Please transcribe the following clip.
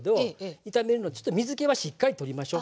炒めるのでちょっと水けはしっかり取りましょう。